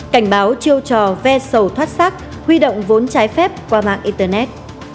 cảnh báo chiêu trò ve sầu thoát sắc huy động vốn trái phép qua mạng internet